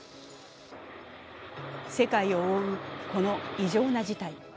世界を覆うこの異常な事態。